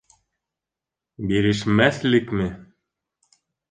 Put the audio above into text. Бирешмәҫлекме?